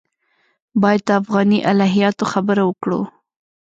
باید د افغاني الهیاتو خبره وکړو.